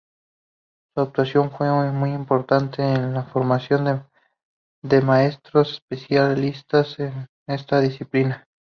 Su actuación fue muy importante en la formación de maestros especialistas en esta disciplina.